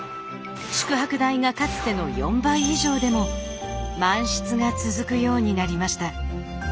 宿泊代がかつての４倍以上でも満室が続くようになりました。